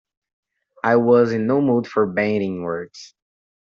I was in no mood for bandying words.